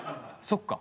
そっか。